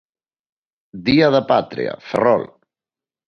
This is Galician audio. Día da Patria, Ferrol.